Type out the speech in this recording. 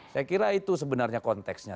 saya kira itu sebenarnya konteksnya